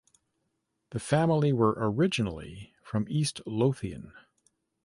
The family were originally from East Lothian.